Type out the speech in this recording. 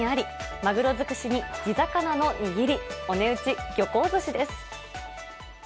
マグロ尽くしに地魚の握り、お値打ち、漁港ずしです。